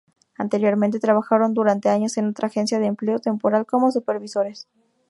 Anteriormente, trabajaron durante años en otra agencia de empleo temporal como supervisores.